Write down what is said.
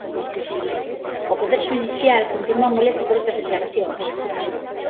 O poder xudicial continúa molesto por estas declaracións...